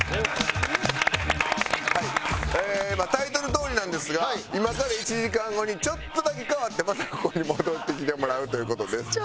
タイトルどおりなんですが今から１時間後にちょっとだけ変わってまたここに戻ってきてもらうという事です。